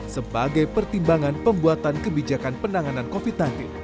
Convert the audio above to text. sebagai pertimbangan pembuatan kebijakan penanganan covid sembilan belas